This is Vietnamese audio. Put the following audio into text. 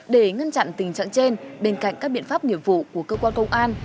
để ngăn chặn tình trạng trên bên cạnh các biện pháp nghiệp vụ của cơ quan công an